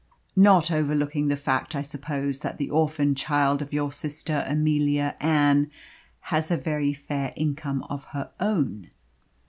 "Not overlooking the fact, I suppose, that the orphan child of your sister Amelia Ann has a very fair income of her own."